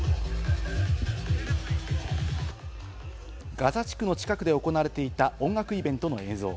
ガザ地区の近くで行われていた音楽イベントの映像。